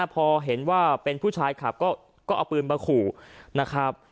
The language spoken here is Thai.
พอเห็นว่าเป็นผู้ชายขับก็เอาปืนมาขู่นะครับ